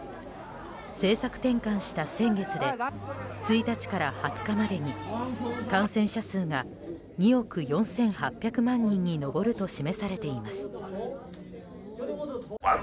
政策転換した先月で１日から２０日までに感染者数が２億４８００万人に上ると示されています。